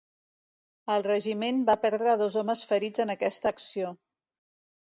El regiment va perdre dos homes ferits en aquesta acció.